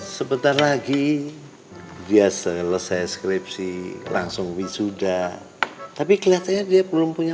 sebentar lagi dia selesai skripsi langsung wisuda tapi kelihatannya dia belum punya